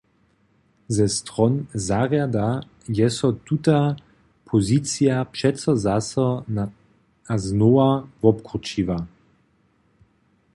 Ze stron zarjada je so tuta pozicija přeco zaso a znowa wobkrućiła.